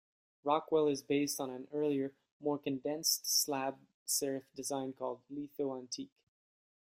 Rockwell is based on an earlier, more condensed slab serif design called "Litho Antique".